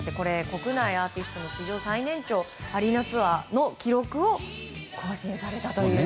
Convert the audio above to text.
国内アーティストの史上最年長アリーナツアーの記録を更新されたという。